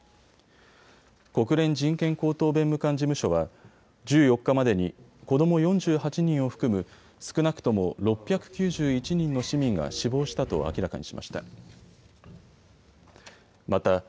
国連人権高等弁務官事務所は１４日までに子ども４８人を含む少なくとも６９１人の市民が死亡したと明らかにしました。